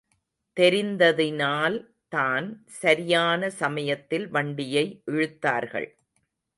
தெரிந்ததினால் தான் சரியான சமயத்தில் வண்டியை இழுத்தார்கள்.